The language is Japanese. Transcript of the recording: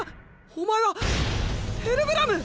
お前はヘルブラム！